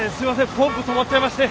ポンプ止まっちゃいまして。